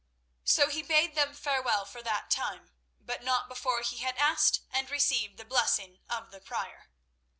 So he bade them farewell for that time, but not before he had asked and received the blessing of the Prior.